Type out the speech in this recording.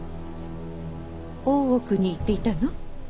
大奥に行っていたの？